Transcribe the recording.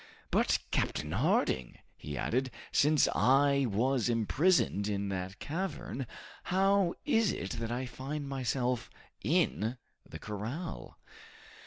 "But, Captain Harding," he added, "since I was imprisoned in that cavern, how is it that I find myself in the corral?"